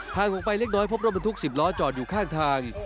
ออกไปเล็กน้อยพบรถบรรทุก๑๐ล้อจอดอยู่ข้างทาง